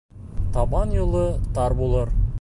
Табан юлы тар булыр.